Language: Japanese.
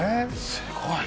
すごい。